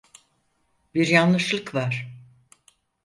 Bir yanlışlık var.